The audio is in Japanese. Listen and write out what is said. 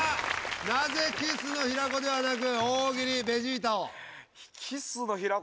なぜキスの平子ではなく大喜利ベジータを？